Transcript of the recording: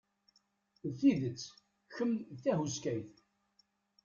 D tidet, kemm d tahuskayt.